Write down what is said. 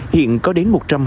hiện có đến một trăm hai mươi